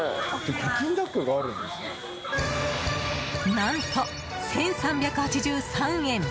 何と、１３８３円